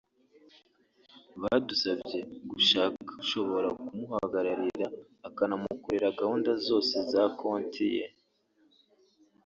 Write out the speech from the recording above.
Badusabye gushaka ushobora kumahagararira akanamukorera gahunda zose za konti ye